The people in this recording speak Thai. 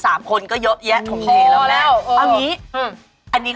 สามคนก็เยอะแยะโฉมเผยร้อนแรก